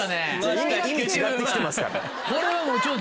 意味違って来てますから。